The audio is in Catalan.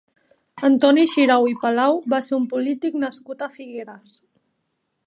Antoni Xirau i Palau va ser un polític nascut a Figueres.